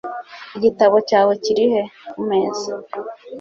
"Igitabo cyawe kiri he?" "Ku meza."